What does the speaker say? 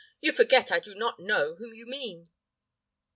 "You forget I do not know whom you mean."